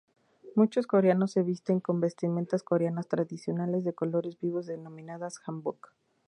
Muchos coreanos se visten con vestimentas coreanas tradicionales de colores vivos denominadas "hanbok".